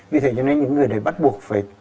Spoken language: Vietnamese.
vì thế cho nên những người đấy bắt buộc